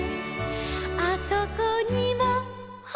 「あそこにもほら」